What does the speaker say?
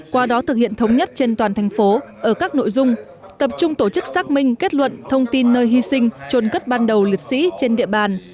qua đó thực hiện thống nhất trên toàn thành phố ở các nội dung tập trung tổ chức xác minh kết luận thông tin nơi hy sinh trồn cất ban đầu liệt sĩ trên địa bàn